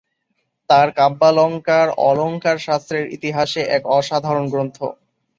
তাঁর কাব্যালঙ্কার অলঙ্কারশাস্ত্রের ইতিহাসে এক অসাধারণ গ্রন্থ।